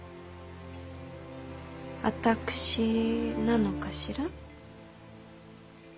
私なのかしら？